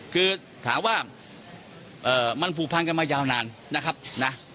คือถามว่ามันผูกพันกันมายาวนาน